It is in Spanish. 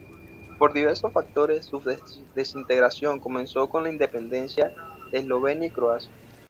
Por diversos factores, su desintegración comenzó con la independencia de Eslovenia y Croacia.